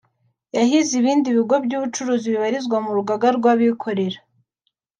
yahize ibindi bigo by’ubucuruzi bibarizwa mu rugaga rw’abikorera